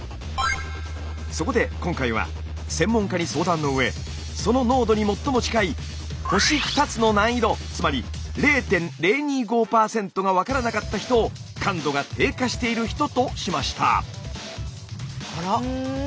そこで今回は専門家に相談の上その濃度に最も近い星２つの難易度つまり０．０２５％が分からなかった人を感度が低下している人としました。